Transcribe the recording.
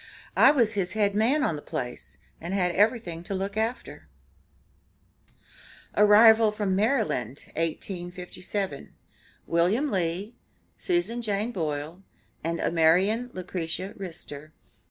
I was his head man on the place, and had everything to look after." ARRIVAL FROM MARYLAND, 1857. WILLIAM LEE, SUSAN JANE BOILE AND AMARIAN LUCRETIA RISTER.